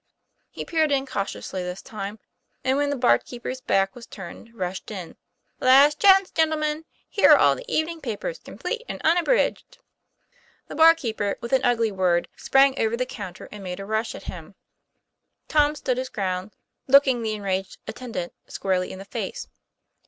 He peered in cautiously this time, and, when the barkeeper's back was turned, rushed in. ' Last chance, gentlemen. Here are all the even ing papers complete and unabridged." The ^irkeeper, with an ugly word, sprang over the counter and made a rush at him. Tom stood his ground, looking the enraged atten dant squarely in the face.